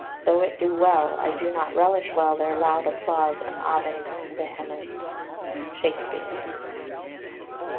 Though it do well, I do not relish well Their loud applause and aves vehement. SHAKESPEARE.